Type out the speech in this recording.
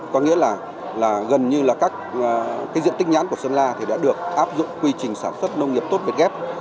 có nghĩa là gần như các diện tích nhãn của sơn la đã được áp dụng quy trình sản xuất nông nghiệp tốt việt gap